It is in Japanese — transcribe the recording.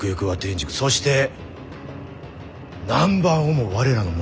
そして南蛮をも我らのものとなろう。